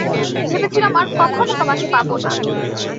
ভেবেছিলাম আর কখনো তোমাকে পাবো না।